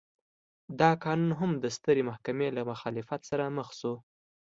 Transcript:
دا قانون هم د سترې محکمې له مخالفت سره مخ شو.